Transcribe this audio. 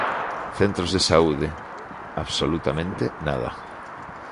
Centros de saúde, absolutamente nada.